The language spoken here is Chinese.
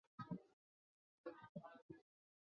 岘港国际机场。